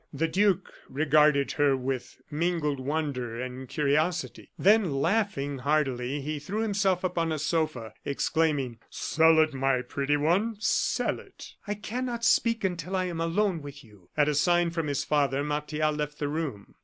The duke regarded her with mingled wonder and curiosity; then, laughing heartily, he threw himself upon a sofa, exclaiming: "Sell it, my pretty one sell it!" "I cannot speak until I am alone with you." At a sign from his father, Martial left the room.